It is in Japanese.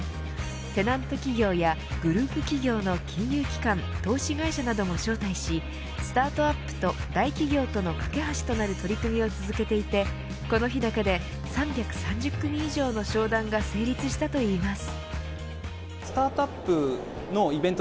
テナント企業やグループ企業の金融機関、投資会社なども招待しスタートアップと大企業との懸け橋となる取り組みを続けていてこの日だけで３３０組以上の商談が成立したといいます。